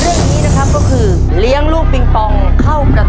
น้องขวัญแล้วเป็นเพื่อนทำได้